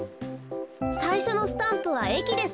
さいしょのスタンプはえきです。